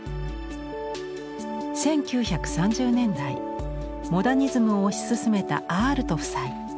１９３０年代モダニズムを推し進めたアアルト夫妻。